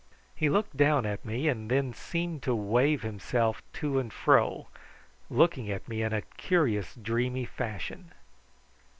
He looked down at me and then seemed to wave himself to and fro, looking at me in a curious dreamy fashion.